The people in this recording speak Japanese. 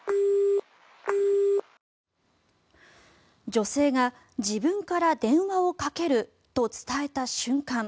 女性が、自分から電話をかけると伝えた瞬間